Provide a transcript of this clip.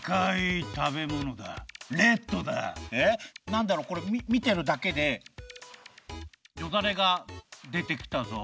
なんだろこれみてるだけでよだれがでてきたぞ。